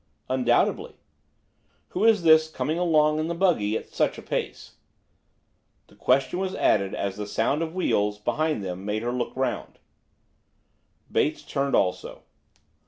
"Undoubtedly. Who is this coming along in this buggy at such a good pace?" The question was added as the sound of wheels behind them made her look round. Bates turned also.